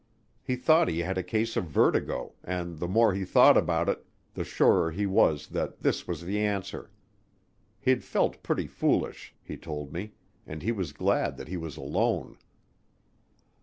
He thought he had a case of vertigo and the more he thought about it, the surer he was that this was the answer. He'd felt pretty foolish, he told me, and he was glad that he was alone.